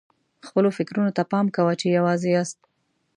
خپلو فکرونو ته پام کوه چې یوازې یاست.